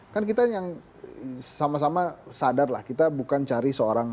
kan kita yang sama sama sadarlah kita bukan cari seorang malu